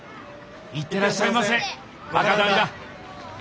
行ってらっしゃませ若旦那！